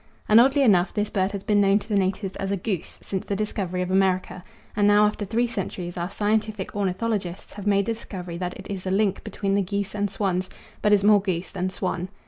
And oddly enough this bird has been known to the natives as a "goose" since the discovery of America, and now after three centuries our scientific ornithologists have made the discovery that it is a link between the geese and swans, but is more goose than swan.